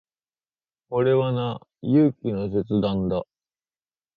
これはな、勇気の切断だ。